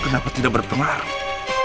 kenapa tidak berpengaruh